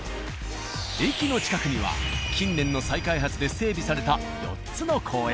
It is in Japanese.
駅の近くには近年の再開発で整備された４つの公園。